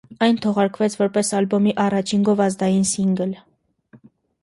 Այն թողարկվեց որպես ալբոմի առաջին գովազդային սինգլ։